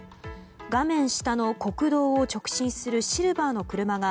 画面下の国道を直進するシルバーの車が